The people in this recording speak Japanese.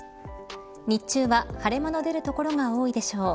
日中は晴れ間の出る所が多いでしょう。